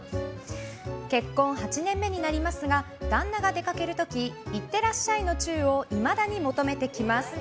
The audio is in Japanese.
結婚８年目になりますが旦那が出かける時いってらっしゃいのチューをいまだに求めてきます。